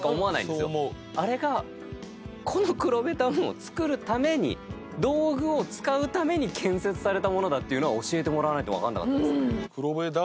あれがこの黒部ダムを造るために道具を使うために建設されたものだっていうのは教えてもらわないと分かんなかったですね。